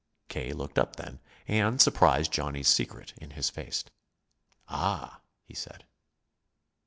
K. looked up then, and surprised Johnny's secret in his face. "Ah!" he said.